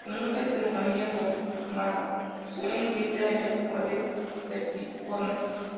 Es un pez de la familia Pomacentridae del orden Perciformes.